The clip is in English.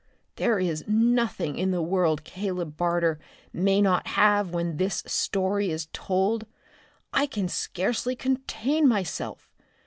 There is nothing in the world Caleb Barter may not have when this story is told! I can scarcely contain myself.